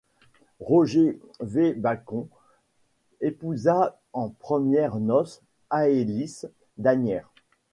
Roger V Bacon épousa en premières noces Aelis d'Asnières.